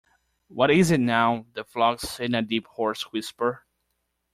‘What is it, now?’ the Frog said in a deep hoarse whisper.